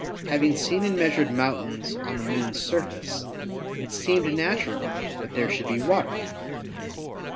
Having seen and measured mountains on the Moon's surface, it seemed natural that there should be water.